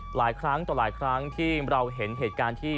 หลายครั้งต่อหลายครั้งที่เราเห็นเหตุการณ์ที่